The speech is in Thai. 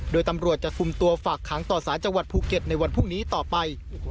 โดยตำรวจจะคุมตัวฝากขังต่อสารจังหวัดภูเก็ตในวันพรุ่งนี้ต่อไป